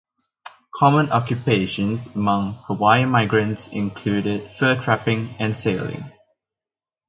Common occupations among Hawaiian migrants included fur trapping and sailing.